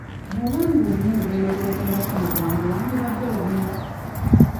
Bw'oba nga olina olugendo lw'ogendako mu bwangu wandibadde ogenda.